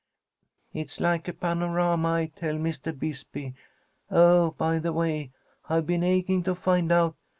"It's like a panorama, I tell Mr. Bisbee. Oh, by the way, I've been aching to find out.